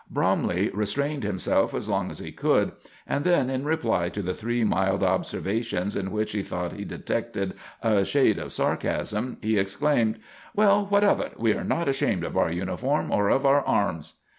Bromley restrained himself as long as he could, and then, in reply to the three mild observations, in which he thought he detected a shade of sarcasm, he exclaimed: "Well, what of it? We are not ashamed of our uniform or of our arms."